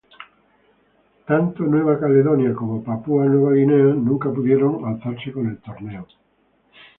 Tanto Nueva Caledonia como Papúa Nueva Guinea nunca pudieron alzarse con el torneo.